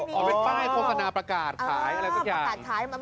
เป็นป้ายโฆษณาประกาศใช้อะไรก็อย่างประกาศใช้ไหม